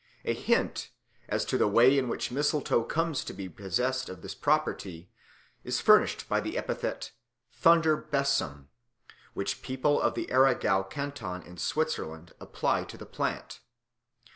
A hint as to the way in which mistletoe comes to be possessed of this property is furnished by the epithet "thunder bosom," which people of the Aargau canton in Switzerland apply to the plant.